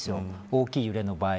大きい揺れの場合。